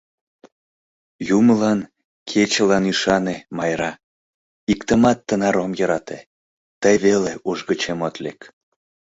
Юмылан, кечылан ӱшане, Майра, иктымат тынар ом йӧрате, тый веле уш гычем от лек.